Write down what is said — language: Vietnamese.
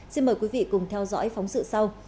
xin mời quý vị cùng theo dõi phóng sự sau